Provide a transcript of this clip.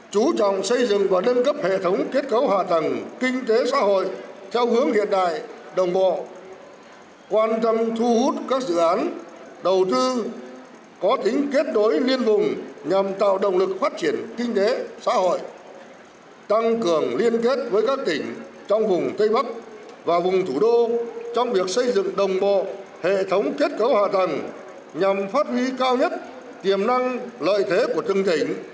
trú trọng xây dựng và nâng cấp hệ thống kết cấu hạ tầng kinh tế xã hội theo hướng hiện đại đồng bộ quan tâm thu hút các dự án đầu tư có tính kết đối liên vùng nhằm tạo động lực phát triển kinh tế xã hội tăng cường liên kết với các tỉnh trong vùng tây bắc và vùng thủ đô trong việc xây dựng đồng bộ hệ thống kết cấu hạ tầng nhằm phát huy cao nhất tiềm năng lợi thế của từng tỉnh